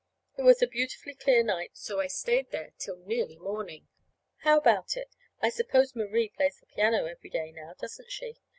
It was a beautifully clear night, so I stayed there till nearly morning. How about it? I suppose Marie plays the piano every day now, doesn't she?